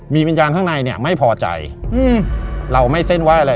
มีวิญญาณข้างในไม่พอใจเราไม่เส้นไหว้อะไร